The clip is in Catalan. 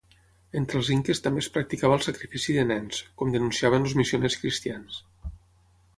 Entre els inques també es practicava el sacrifici de nens, com denunciaven els missioners cristians.